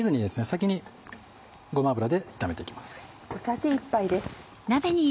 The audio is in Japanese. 先にごま油で炒めていきます。